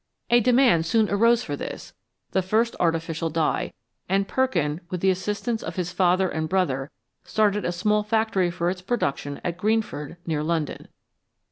A 285 VALUABLE SUBSTANCES demand soon arose for this, the first artificial dye, and Perkin, with the assistance of his father and brother, started a small factory for its production at Greenford, near London.